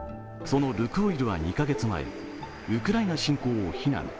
そのルクオイルは２カ月前、ウクライナ侵攻を非難。